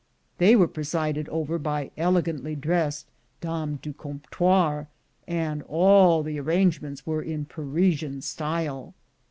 They were presided over by elegantly dressed dames du comptoir, and all the arrangements were in Parisian style.